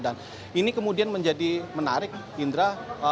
dan ini kemudian menjadi menarik indra